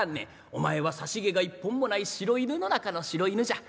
お前は差し毛が一本もない白犬の中の白犬じゃ。